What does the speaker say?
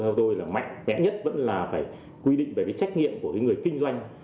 theo tôi là mạnh mẽ nhất vẫn là phải quy định về cái trách nhiệm của người kinh doanh